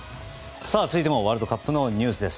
続いてもワールドカップのニュースです。